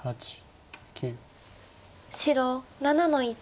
白７の一。